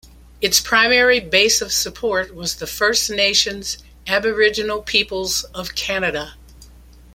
Its primary base of support was the First Nations aboriginal peoples of Canada.